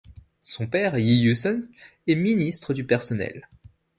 Son père, Yi Yuseung, est ministre du personnel.